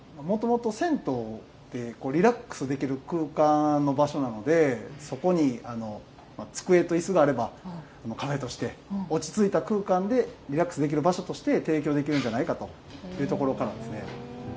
もともと銭湯ってリラックスできる空間の場所なのでそこに机と椅子があればカフェとして落ち着いた空間でリラックスできる場所として提供できるんじゃないかというところからですね。